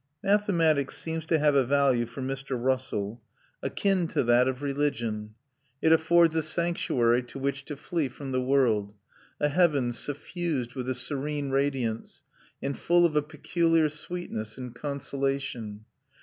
Mathematics seems to have a value for Mr. Russell akin to that of religion. It affords a sanctuary to which to flee from the world, a heaven suffused with a serene radiance and full of a peculiar sweetness and consolation.